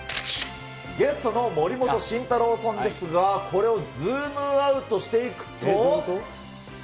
ゲストの森本慎太郎さんですが、これをズームアウトしていくと。